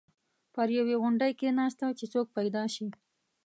پر یوې غونډۍ کېناسته چې څوک پیدا شي.